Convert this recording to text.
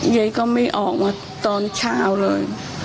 ยายก็ไม่ออกมาตอนเช้าเลย